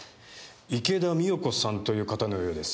池田美代子さんという方のようです。